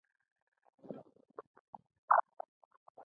ګاونډي ته خواږه خبرې وکړه